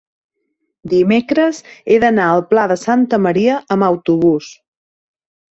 dimecres he d'anar al Pla de Santa Maria amb autobús.